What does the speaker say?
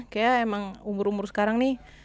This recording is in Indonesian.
kayaknya emang umur umur sekarang nih